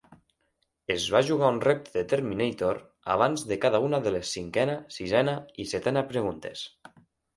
Es va jugar un repte de Terminator abans de cada una de les cinquena, sisena i setena preguntes.